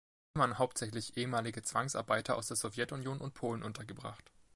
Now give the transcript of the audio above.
Hier waren hauptsächlich ehemalige Zwangsarbeiter aus der Sowjetunion und Polen untergebracht.